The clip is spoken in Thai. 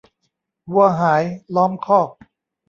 วัวหายล้อมคอก